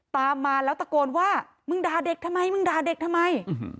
ตามมาแล้วตะโกนว่ามึงด่าเด็กทำไมมึงด่าเด็กทำไม